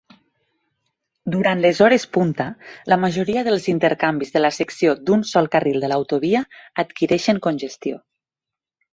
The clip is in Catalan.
Durant les hores punta, la majoria dels intercanvis de la secció d'un sol carril de l'autovia adquireixen congestió.